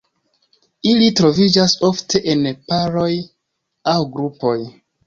Ili troviĝas ofte en paroj aŭ grupoj.